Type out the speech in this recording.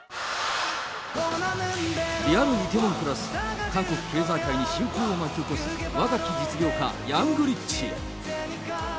リアル梨泰院クラス、韓国経済界に新風を巻き起こす若き実業家、ヤングリッチ。